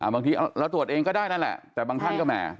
บางทีเราตรวจเองก็ได้นั่นแหละแต่บางท่านก็แหม